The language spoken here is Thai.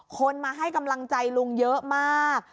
คนมาให้กำลังใจลุงเยอะมาก